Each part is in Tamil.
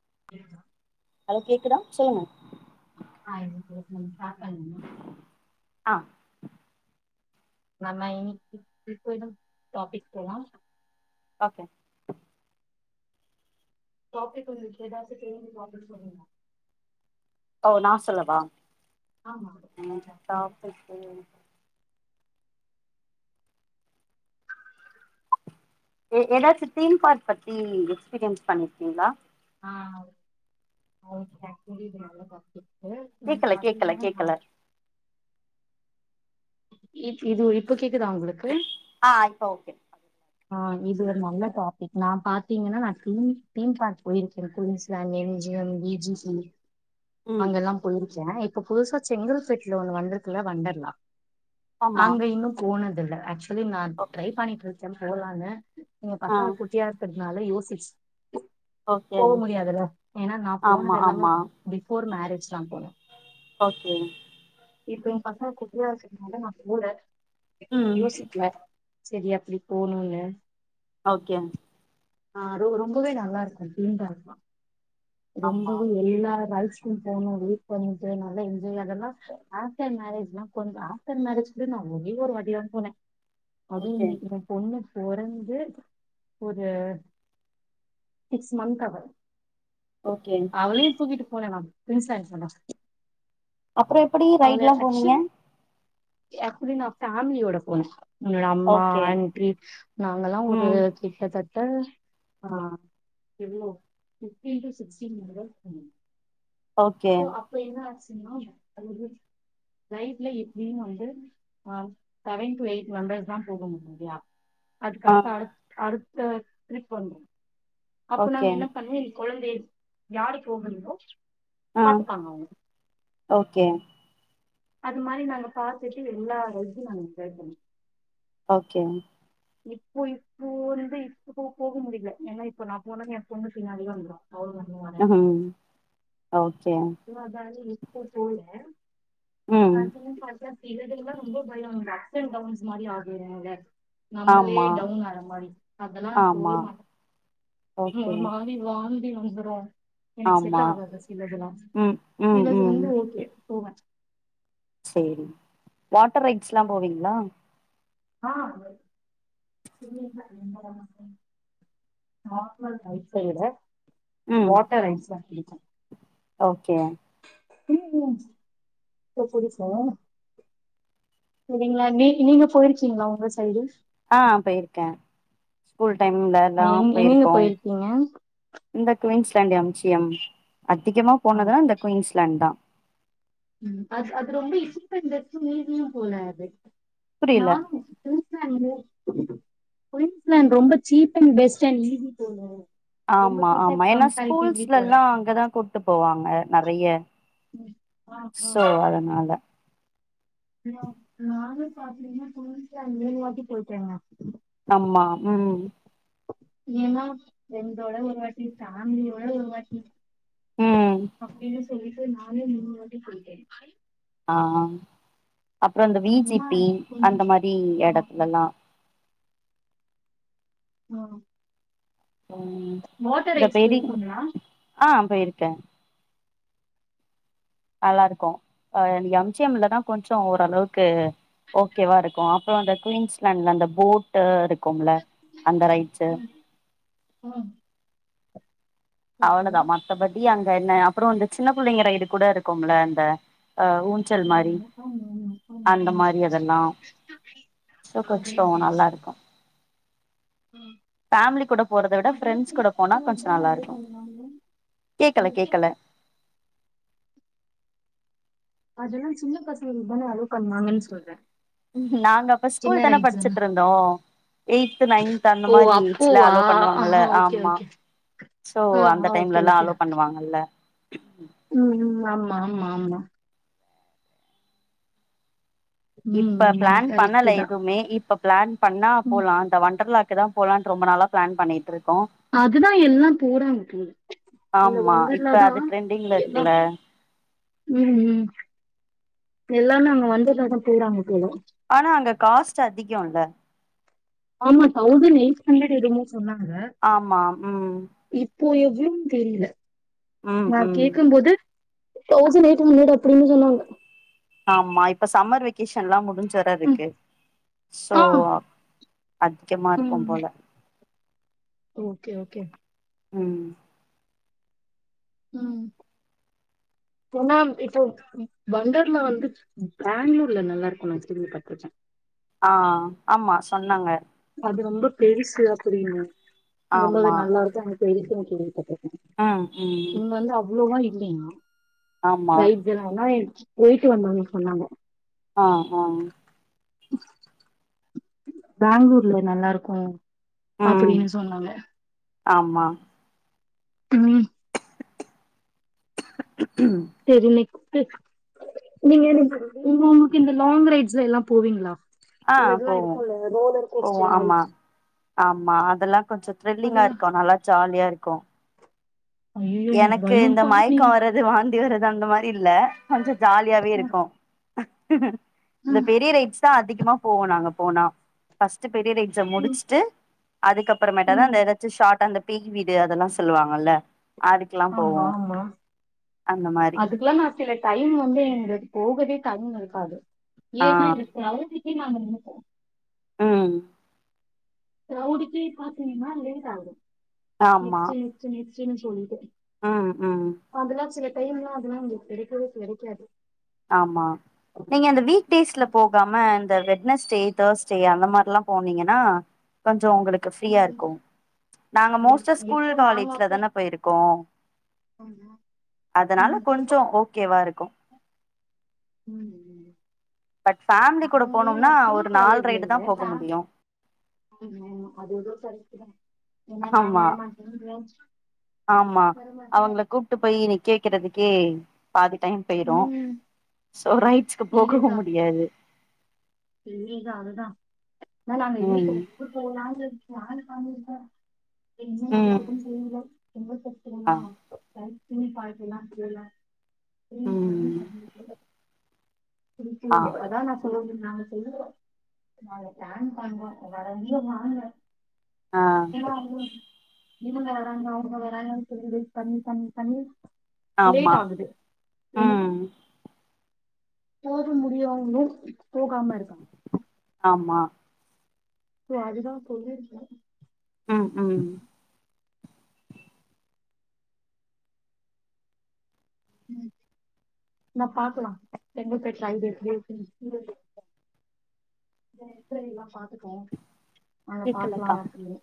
[inaudible] கேட்குதா சொல்லுங்க [unintelligible] ஆஹ் நம்ம இப்போத டாபிக் போலாம் ஓகே டாபிக் வந்து ஏதாச்சு தெரிஞ்சி பாப்பனு சொல்லுங்க ஓ நான் சொல்லவா ஆமா டாபிக்கு ஏதாச்சும் தீம் பார்க் பத்தி எக்ஸ்பீரியன்ஸ் பண்ணிருக்கீங்களா [unintelligible] நம்ம கேக்கல கேக்கல பாத்தீங்கன்னா கேக்கல இ இது இப்ப கேக்குதா உங்களுக்கு ஆ இப்ப ஓகே ஆஹ் இது ஒரு நல்ல டாபிக் நான் பாத்தீங்கன்னா நான் தீம் பார்க் போயிருக்கேன் குயின்ஸ் லேண்ட் எம்ஜிஎம் பிஜிபி ம் அங்கல்லாம் போயிரு ன் இப்ப புதுசா செங்கல்பெட்டுல ஒன்னு வந்திருக்குல வண்டெர்லா ஆமா அங்க இன்னும் போனதில்ல [unintelligible] இது நான் ட்ரை பண்ணிட்டு இரு போலாங்க உங்க ஆ பசங்க குட்டியா இருக்க அதனால யோசிச் ஓகே போக முடியாதுல ஏன்னா நான ஆமா போனது எல்லாம ஆமா பிஃபோர் மேரேஜ் பேசலாம் போல ஓகேங்க இப்ப என் பசங்க குட்டியா இருக்கதுனால நான போல ம் யோசிக்குல செரி அப்டி போணுனுனு ஓகே ஆ ரொ ரொம்பவே நல்லா இருக்கு களீண்டா இருக்கு ஆமா ரொம்பவு எல்லா ரைட்ஸ் ஸ்கூல் போகணு வீட்ல இருந்துட்டு நல்ல என்ஜாய் அதெல்லா ஆஃப்டர் மேரேஜ்னா கொஞ்ச ஆஃப்டர் மேரேஜ் கூட நா ஒரே ஒரு வாட்டிதா போனே அது ஓகே [unintelligible] [unintelligible] பொறந்து ஒரு சிக்ஸ் மன்த் அவ ஓகே அவளையு தூக்கிட்டு போனே நானு [unintelligible] அப்பறம் எப்டி ரைடு எல்லாம் போனீ அக்சுவலி நான பேமிலியோட போனேன் உன்னோட அம்மா ஓகே ஆன்டி நாங்கல்லாம் ஒரு ம் கிட்ட த அஹ் ஆ எவ்ளோ ஃபிஃப்டீன் டி சிஸ்க்டீன் [unintelligible] ஓகே அப்ப என்ன ஆச்சு எப்டியும் வந்து ஆ செவன் எயிட் மெம்பர்ஸ் தான் போக முடியா ஆ அதுக்கடுத்து அடுத் அடுத் ஆ ட்ரிக் பண்றோ அப்போ ஓகே நாங்க என்ன பண்ணி குழந்தை யாரு போகணுமோ ஆ பாத்துப்பாங்க அவுங்க ஓகே அது மாரி நாங்க பாத்துட்டு எல்லா [unintelligible] நாங்க சேக்கணு ஓகே இப்போ இப்போ வந்து இப்போ போக முடியல ஏன்னா இப்போ நான் போனேன்னு என் பொண்ணு பின்னாலியே வந்துரு ம் ஓகே [inaudible] ஸ்கூல் போகுல ஆ ம் தீம் பார்க்ல இதெல்லாம் ரொம்ப பயம் அப்ஸ் அண்ட் டவுன்ஸ் மாரி ஆகதுல நம்மளே ஆமா டவுன் ஆற மாரி அதெல்லாம் நா போக ஆமா மாட்டேன் ஓகே ஒரு மாரி வாழ் வந்துரும் எனக்கு செட்டா ஆமா ஆகாது சிலதெல்லாம் ம் ம் சிலது வந்து ஓகே போவே சரி வாட்டர் ரைட்ஸ் எல்லாம் போவீங்களா ஆ [inaudible] ம் வாட்டர் ஐஸ் ஓகே உம் இப்படி [inaudible] சரிங்களா நீ நீங்க போயிருக்கீங்களா உங்க சைடு ஆ போயிருக்கேன் ஸ்கூல் டைம்லலா எங்கெங்க போயிருக்கீங்க குவின்ஸ்லண்ட் எம் சி எம் அதிகமா ஆ போனதுதான் இந்த குயின்ஸ்லாண்ட் தான் ம் அது அது ரொம்ப இசுப்பந்தும் மீதியும் போலாது புரியல நானும் பேசறேன் குயின்ஸ்லாண்ட் ரொம்ப சீப் அண்ட் பெஸ்ட் ரொம்ப ஆமா கிட்ட ஆமா ஏன்னா கம்பேரிட்டிவ்லி ஸ்கூல்ஸ்ல போல எல்லாம் அங்கதான் கூபிட்டு போவாங்க ந அய்ய ம். ஆ சோ அதனால நானும் பாத்தீங்களா குயின்ஸ்லாண்ட் முனு வாட்டி போயிட்டேங்க ஆமா உம் ஏன்னா ப்ரெண்டோட ஒரு வாட்டி பேமிலியோட ஒரு வாட்டி ம் அப்படின்னு சொல்லிட்டு நானே மூனு வார்ட்டி பொய்ட்டேன் ஆஹ் அப்புறம் இந்த ஏன்னா விஜிபி கொஞ்சோ அந்த மாதிரி ஆ ஆ இடத்துகெல்லாம் உஹம் ம் இந்த பேரி போயிருக்கீங்களா ஆஹ் போயிருக்கேன் நல்லா இருக்கும் எம்ஜிஎம்லதான் கொஞ்சம் ஓரளவுக்கு ஓகேவா இருக்கும் அப்புறம் அந்த குயின்ஸ்லாண்ட்ல அந்த போட்டு இரு இருக்குமுல்ல அந்த ரைட்ச்சு ஆ ஆ ஓகே அவளதான் மற்றபடி அங்க என்ன அப்புறம் வந்து சின்ன பிள்ளைங்க ரைடு கூட இருக்கும்ல அந்த அ ஊஞ்சல் மாரி ம்ம்அதல்லாம் அந்த மாரி அதெல்லா சோ கொஞ்சோ பேச நல்லா ஃபமிலி கூட போறத விட ஃப்ரெண்ட்ஸ் கூட சின்ன போனா பசங்களுக்கு கொஞ்சம் தானே நல்லா அலோ இருக்கும் பண்ணுவாங்க கேக்கல உங்களுக்கு கேக்கல அதெல்லாம் சின்ன பசங்க தானே அளவு பண்ணுவாங்கன்னு சொல்றேன் நாங்க அப்ப ஸ்கூல் சின்ன தானே ரைட்ஸ் படிச்சட்டு எல்லாம் இருந்தோம் எய்த் நைன்த் அந்த ஓ மாரி இஞ்சில அப்போவா அலோ பண்ணுவாங்கல்ல ஆஹா ஓகே ஆமா ஓகே சோ ஆ அந்த ஆ ஓகே டைம்ல எல்லாம் ஓகே அலோ பண்ணுவாங்கல்ல ம் ம் ஆமா ஆமா ஆமா ம் இப்ப ம் பிளான் கரெக்ட் பண்ணல தான் எதுவுமே இப்ப பளான் பண்ணா ம் போலாம் அந்த வண்டர்லா தான் போகலானு ரொம்ப நாள பிளான் பண்ணிட்டு இருக்கு அதுதான் எல்லாம் போறங்க போது அந்த ஆமா இப்ப வண்டர்லதா அது ட்ரெண்டிங்ல எல்லாம் இருக்குல்ல உம் உம் எல்லாமும் அங்க வோண்டர்ல தான் போறாங்க போல ஆனா அங்க காஸ்ட் அதிகம்ல்ல ஆமா தௌசண்ட் எயிட் ஹண்டரட் இரு ஆமா உம் இப்போ எப்டினு தெரியல ம் நா ம் கேக்கும் போது தௌசண்ட் எயிட் ஹண்ட்ரட் அப்படின்னு சொன்னாங்க ஆமா இப்ப சம்மர் வெகேஷன் எல்லாம் முடிஞ்ச ஜரா ம் இருக்கு சோ ஆ அதிகமா இருக்கும் ம் போல ஓகே ஓகே உம் உம் ஏன்னா இப்ப வண்டர்ல வந்து பெங்களூர்ல நல்லா இருக்கும் நான் கேள்வி பாட்ருக்கேன் ஆஹ் ஆமா சொன்னாங்க அது ரொம்ப பெருசு அப்படின்னாங்க ரொம்பவே நல்லா எல்கம் கிரின் பட்டை ஆஹ் உஹம் இல்லையா ரைட் வேணா நைஹ் போயிட்டு வந்தாவங்க சொன்னாங்க ஆஹ் ஆஹ் பெங்களூர்ல நல்லா இருக்கும் ம் அப்படின்னு சொன்னாங்க ஆமா உம் கூம் சரி நா நீங்க உங்க உங்களுக்கு இந்த லாங் ரைட்ஸ்ல எல்லாம் போவீங்களா ஆஹ் சிலதுலா போவோம் இருக்குல்ல ரோலர் போவோம் கோஸ்டர் மாரி ஆமா ஹான் போவோம் ஓ ஆமா ஆமா அதெல்லாம் கொஞ்சம் த்ரில்லிங்கா அதெல்லா இருக்கும் நல்லா ஜாலியா இரு இருக்கும் ஐயையோ எனக்கு இந்த பயோம்பா நீங்க மயக்கம் வரது வாத் இவர் அந்த மாரி இல்ல கொஞ்சம் ஜாலியாவே இருக்கும் ஹக்குக இந்த ம் பெரிய ரைட்ஸ் தான் அதிகமா போவோம் நாங்க போனா பர்ஸ்ட் பெரிய ரெய்டுச ம், முடிச்சுட்டு அதுக்கப்பறமேடாதான் ம். அந்த ஏதச்சும் ஷாட்ட அந்த பேய் வீடு அதெல்லாம் சொல்லுவாங்கல்ல அதுக்கெல்லா ஆமா போவோ ஆமா அந்த மாரி அதுக்கெல்லாம் நான் சில டைம் வந்து எங்க போகவே டாயிம்இருக்காது யே ஆ னா இந்த கிரௌட் நாங்க நேனப்போம் ஆஹம் கிரௌட் பாத்தினிமா லேட் ஆகுது நேக்ஸ்டு நெஸ்ட்டு நெஸ்ட் வந்து ஆஹ் ஹ் டைம்லாம் அதெல்லாம் உங் கிடைக்கவே கிடைக்காது ஆமா நீங்க அந்த வீக்ஸ் டேஸ்ல ம், ம், போகாம இந்த வெட்னஸ்டே தர்ஸ்டே அந்த மாதிர எல்லாம் போனீங்கன்னா கொஞம் உங்களுக்கு ஃப்ரீயா ம். இருக்கும் நாங்க மோஸ்ட ஸ்கூல் எப்போ நாங்க காலேஜ்ல அப்போ தானே போயிருக்கோம் அதனால கொஞ்சம் ஓகேவா இருக்கும் உஹம் உ பட் ஃபேமிலி கூட அவர்களு போனோம்னா நான் ஸ்கூல் ஒரு நால் ரைடு தா காலேஜ்ல போக முடியு அது சரி ஆமா ஆமா வரமாட்டே அவங்கள கூப்பிட்டு போய் இ கே இருகுரதுக்கே பாதி டைம் போயிரும் ம் சோ ரைட்ஸ்கு போகவும் முடியாது இல்லங்க அதுதான் நான் நாங்க ம் என்னோம் போல அது ம் குடிய சிக்கிரம் என்ன பட்டுமா ஆ பாரு நீ பயன்ட்லா கேளா ஏ கரன்ட் ம் வன்துச்சி உள்ள இருக்கு ஆ அதான் நா சோன்ன போதும் நா எதுக நாங்க பிளான் பென்றோம் வரவங்க வங்க ஆ ஆஹ இவங்க வராங்க அவராங்கன்னிட்டு வைட் பன்னி பன்னி பன்னி ஆமா ஆஹ் போக முடியவங்க போகாம இருக்காங்க ஆமா ஓ அதுதான் சொல்லி இருக்க ஆஹ் உம் உம் நான் பாக்கலாம் எந்த பேர் டேட்டா இல்லமா வாங்க பாக்கலா கேக்கலக்கா அப்டினு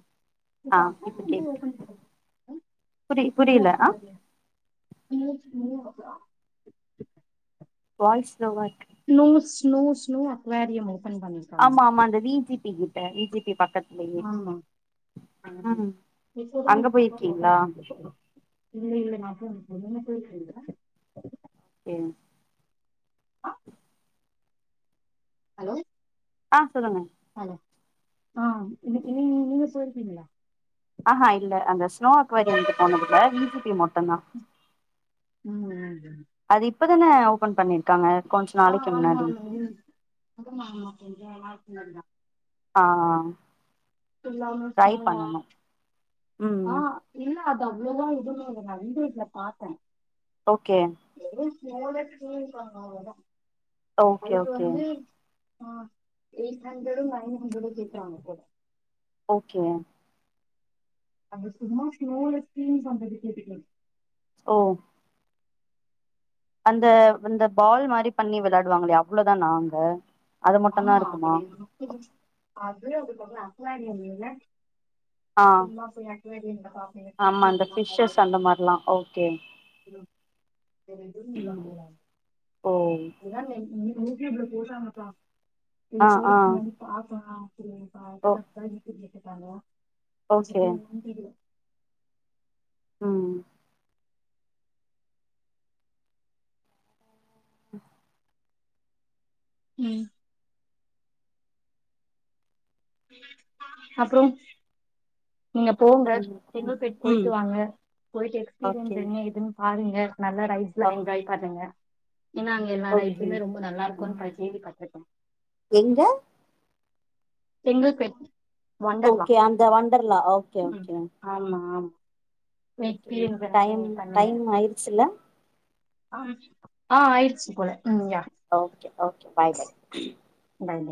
உம் புடி புரியல ஆஹ் முயற்சி வாய்ஸ் லோவா இருக்கு நோனோ ஸ்னோ ஸ்னோ அக்வாரரியம் ஆமா ஆமா அந்த வீஜிபிக்கு எ வீஜிபிதா ஆமா ஆமா ம் இப்பதான் அங்க உங்க அக்காக்கு போயிருக்கீங்களா பன்னிட்டு இருக்கிங்களா இல்ல இல்ல மா ஆஹ் மூனு பேரு தெறிதா ம் ஹலோ ஆஹ் சொல்லுங்க ஆஹ் இன்னிகு நீ இனிய இல்ல ஆஹா இல்ல அந்த ஸ்னோ அக்வரி வந்து போனதுல வீஜிபி மட்டும் ஆமா ம் ம் அது இப்பதான ஓபன் பண்ணிருக்காங்க கொஞ்ச ஆ நாளைக்கு ஆமா முன்னாடி ஆமா நல்ல ஆஹ் வண்டர்லான சும்மோவா ம் ஆஹ் இல்ல அ அவ்வளவுதான் இதுவுமே வந்து இதுல பார்த்தேன் ஓகே எல்லாமே பிடிங்குவாங்க அவ்ளேதான் ஓகே அதுக்கு ஓகே வந்து ஆஹ் எயிட் ஹண்ட்ரடு நைன் ஹண்ட்ரடு கேக்குறாங்க இப்ப ஓகே அங்க சும்மா ஸ்லோல ஸ்கீம்ஸ் சாங் கேட்டுக்குரது ஓ அந்த அந்த பால் மாதிரி பண்ணி வெளையாடுவாங்களே அவ்வளவுதான் நாங்க ஆமா அப்படி அது அதுக்கப் கரியர்யெல்லா ஆ சும்மா போய் ஆமா வேண்டியாதன் அந்த எல்லாம் ஃபிஷ்ஷஸ் போலம் அந்த மாரிலா ஓகே ம். ஓ யூடிப்ல போட்டாங்கப்பா இது ஆ ஆ போடுறதுக்கு முன்னாடி பாப்போம் திம் ஓ பார்க்குல உட்காந்து இருக்கேன் பண்ணலாம் ஓகே சத்தமா ஒன்னும் கேட்கல ஹ்ம் உம் அப்புறம் நீங்க போங்க செங்கல்பேட் போயிட்டு ம் வாங்க போயிட்டு எக்ஸ்பீரியன்ஸ் ஓகே என்ன எதுன்னு பாருங்க நல்லா ரைஸ் எல்லாம் என்ஜாய் பண்ணுங்க ஏன்னா அங்க ஓகே எல்லாரைஸ்மே ரொம்ப நல்லா இருக்கும்ன்னு கேள்விபட்ருக்கேன் எங்க செங்கல்பேட் ஒண்டர்லா ஓகே அந்த வண்டர்லா ஓகே ம் ஓகே ஆமா ஆமா ஓகே எக்ஸ்பீரியன்ஸ் எல்லாம் டைம் நீங்க டைம் ஆயிடுச்சல ஆம் ஆஹ் ஆயிடுச்சு போல ம் yeah okay okay bye bye bye by